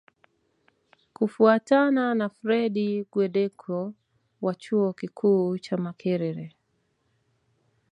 Kufuatana na Fred Guweddeko wa Chuo Kikuu cha Makerere